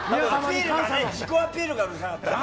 自己アピールがうるさかった。